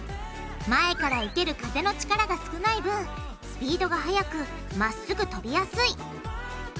前から受ける風の力が少ない分スピードが速くまっすぐ飛びやすい。